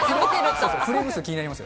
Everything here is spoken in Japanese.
フレームロス気になりますよ